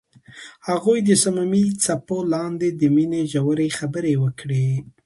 هغوی د صمیمي څپو لاندې د مینې ژورې خبرې وکړې.